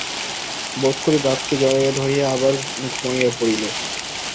বোধ করি বাপকে জড়াইয়া ধরিয়া আবার ঘুমাইয়া পড়িল।